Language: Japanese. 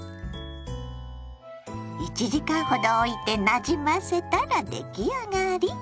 １時間ほどおいてなじませたら出来上がり！